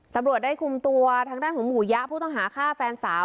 ตำรวจได้คุมตัวทางด้านของหมู่ยะผู้ต้องหาฆ่าแฟนสาว